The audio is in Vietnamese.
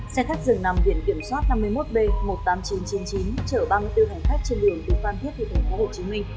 xe khách dừng nằm viện kiểm soát năm mươi một b một mươi tám nghìn chín trăm chín mươi chín chở ba mươi bốn hành khách trên đường từ phan thiết đi tp hcm